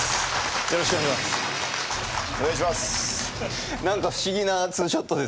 よろしくお願いします。